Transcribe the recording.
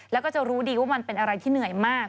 แล้วก็จะรู้ดีว่ามันเป็นอะไรที่เหนื่อยมาก